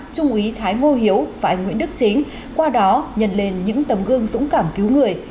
trung úy thái ngô hiếu và anh nguyễn đức chính qua đó nhận lên những tấm gương dũng cảm cứu người